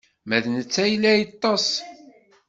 Ma d netta yella yeṭṭeṣ.